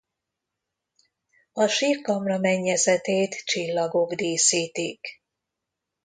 A sírkamra mennyezetét csillagok díszítik.